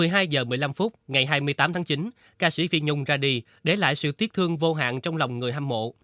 một mươi hai h một mươi năm phút ngày hai mươi tám tháng chín ca sĩ phi nhung ra đi để lại sự tiếc thương vô hạn trong lòng người hâm mộ